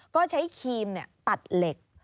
ก็ใช้ครีมตัดเหล็ก